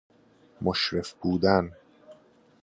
مشرف بودن